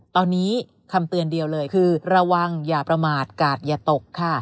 ตอนนี้คำเตือนเดียวเลยคือระวังอย่าประมาทกาดอย่าตกค่ะ